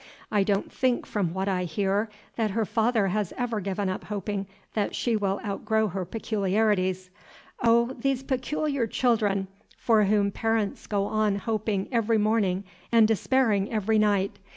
I don't think from what I hear, that her father has ever given up hoping that she will outgrow her peculiarities. Oh, these peculiar children for whom parents go on hoping every morning and despairing every night!